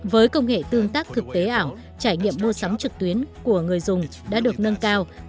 với công nghệ tương tác thực tế ảo trải nghiệm mua sắm trực tuyến của người dùng đã được nâng cao